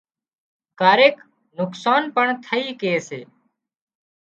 ڪاريڪ نقصان پڻ ٿئي ڪي سي